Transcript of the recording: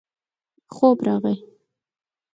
خوب راغی.